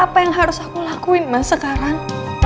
apa yang harus aku lakuin mas sekarang